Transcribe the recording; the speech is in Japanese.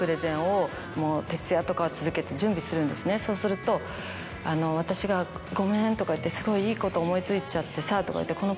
そうすると私が「ごめん」とか言って「すごいいいこと思い付いちゃってさ」。